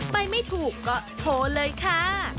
ไม่ถูกก็โทรเลยค่ะ